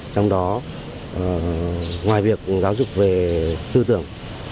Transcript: trong đó ngoài việc giáo dục về tư tưởng